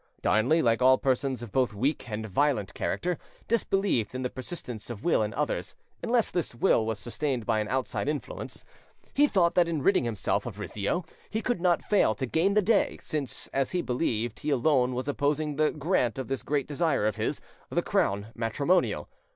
Darnley, like all persons of both weak and violent character, disbelieved in the persistence of will in others, unless this will was sustained by an outside influence. He thought that in ridding himself of Rizzio he could not fail to gain the day, since, as he believed, he alone was opposing the grant of this great desire of his, the crown matrimonial.